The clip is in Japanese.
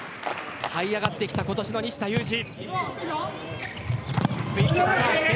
はい上がってきた今年の西田有志。